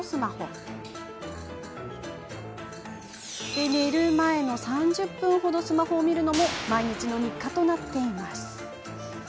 そして寝る前の３０分ほどスマホを見るのも毎日の日課となっているんです。